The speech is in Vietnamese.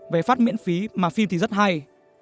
về phát miễn phí mà phim thì rất hay